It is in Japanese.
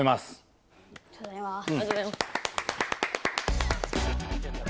ありがとうございます。